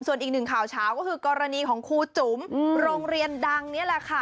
ส่วนอีกหนึ่งข่าวเฉาก็คือกรณีของครูจุ๋มโรงเรียนดังนี่แหละค่ะ